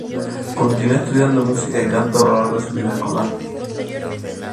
Continuó estudiando música y canto a lo largo de su vida escolar.